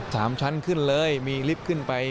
สามชั้นขึ้นเลยมีลิฟต์ขึ้นไป